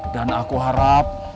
dan aku harap